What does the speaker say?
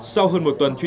sau hơn một tuần